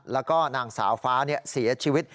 แล้วก็นางสาวฟ้าเสียชีวิต